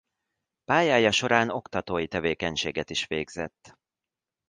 Pályája során oktatói tevékenységet is végzett.